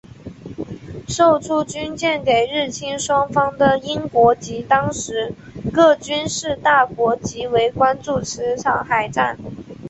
售出军舰给日清双方的英国及当时各军事大国极为关注此场海战。